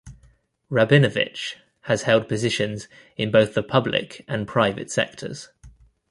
Rabinovitch has held positions in both the public and private sectors.